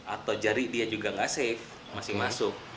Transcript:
atau jari dia juga nggak safe masih masuk